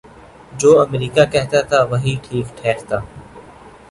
جو امریکہ کہتاتھا وہی ٹھیک ٹھہرتا۔